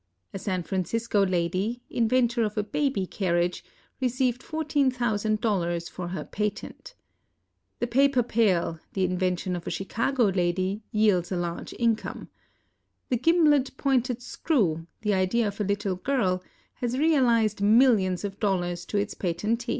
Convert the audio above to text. A San Francisco lady, inventor of a baby carriage, received fourteen thousand dollars for her patent. The paper pail, the invention of a Chicago lady, yields a large income. The gimlet pointed screw, the idea of a little girl, has realized millions of dollars to its patentee.